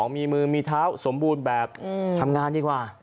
มีมือมีเท้าสมบูรณ์แบบทำงานดีกว่า